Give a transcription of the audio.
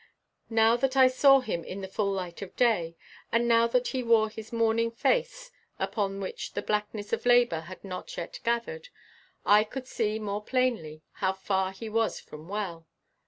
Now that I saw him in the full light of day, and now that he wore his morning face upon which the blackness of labour had not yet gathered, I could see more plainly how far he was from well.